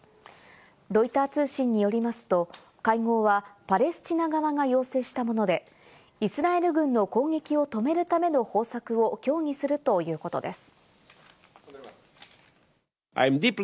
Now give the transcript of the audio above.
ロイター通信によりますと、会合はパレスチナ側が要請したもので、イスラエル軍の攻撃を止めるための方策を協議するということです。